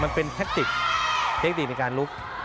มันเป็นแทคติกเทคนิคในการลุก